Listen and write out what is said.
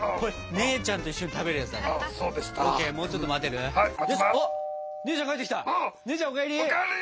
姉ちゃんお帰り！